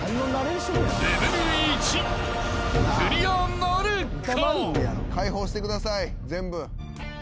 ［レベル１クリアなるか？］